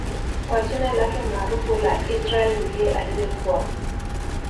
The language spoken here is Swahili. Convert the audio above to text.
kwa jina lake maarufu la Israaiyl ndiye aliyekuwa